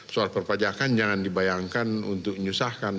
soal perpajakan jangan dibayangkan untuk menyusahkan